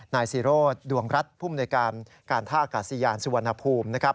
นายซีโร่ดวงรัตต์ผู้โนยกรรมการท่ากาศิยาห์สวนภูมินะครับ